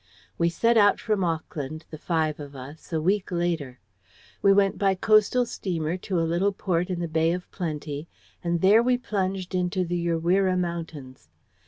We set out from Auckland, the five of us, a week later. We went by coastal steamer to a little port in the Bay of Plenty, and there we plunged into the Urewera Mountains.